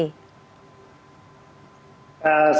saya rasa apa namanya bukan masalah resistensi